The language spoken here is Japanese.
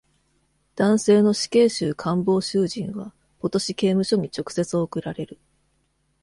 男性の死刑囚監房囚人はポトシ刑務所に直接送られる。